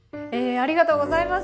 ありがとうございます。